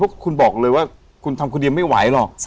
คุณบอกเลยว่าคุณทำคนเดียวไม่ไหวหรอก